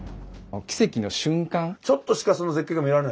ちょっとしかその絶景が見られない？